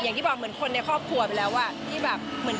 กดอย่างวัยจริงเห็นพี่แอนทองผสมเจ้าหญิงแห่งโมงการบันเทิงไทยวัยที่สุดค่ะ